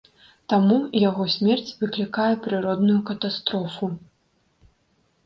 Таму яго смерць выклікае прыродную катастрофу.